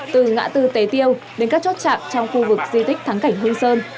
từ ngã tư tế tiêu đến các chốt chạm trong khu vực di tích thắng cảnh hương sơn